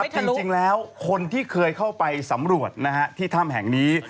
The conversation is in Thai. จริงแล้วคนที่เคยเข้าไปสำรวจที่ถ้ำแห่งนี้